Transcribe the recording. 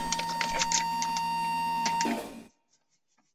海外子公司参见日清食品集团。